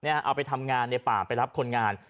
เอาไปทำงานในป่าไปรับคนงาน